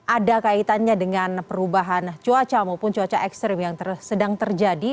ada kaitannya dengan perubahan cuaca maupun cuaca ekstrim yang sedang terjadi